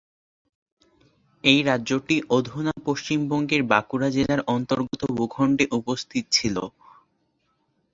এই রাজ্যটি অধুনা পশ্চিমবঙ্গের বাঁকুড়া জেলার অন্তর্গত ভূখণ্ডে অবস্থিত ছিল।